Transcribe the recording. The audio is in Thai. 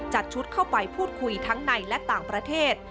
จัดชุดเข้าไปพูดคุยทั้งในและต่างประเทศ